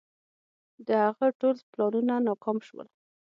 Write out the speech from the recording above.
د هغه ټول پلانونه ناکام شول.